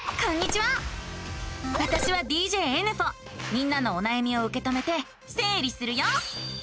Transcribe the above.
みんなのおなやみをうけ止めてせい理するよ！